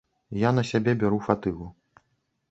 Я на сябе бяру фатыгу.